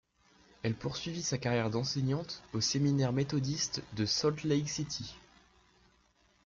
Elle poursuivit sa carrière d’enseignante au séminaire méthodiste de Salt Lake City.